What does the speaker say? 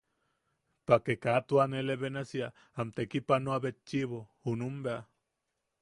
Pake ka tua nele benasia am tekipanoanebetchʼibo junum bea.